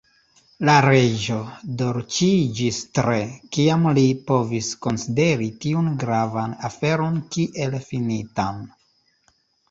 La Reĝo dolĉiĝis tre, kiam li povis konsideri tiun gravan aferon kiel finitan.